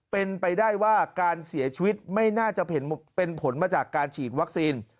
เป็นไปได้ว่าการเสียชีวิตไม่น่าจะเป็นผลมาจากการฉีดวัคซีน